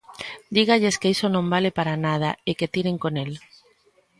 Dígalles que iso non vale para nada e que tiren con el.